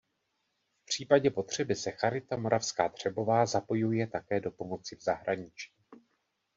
V případě potřeby se Charita Moravská Třebová zapojuje také do pomoci v zahraničí.